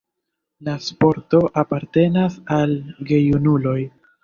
La sporto apartenas al gejunuloj.